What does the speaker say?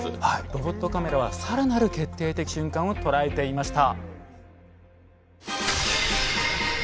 ロボットカメラは更なる決定的瞬間を捉えていました！